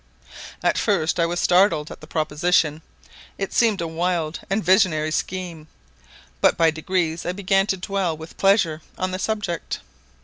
"At first I was startled at the proposition; it seemed a wild and visionary scheme: but by degrees I began to dwell with pleasure on the subject.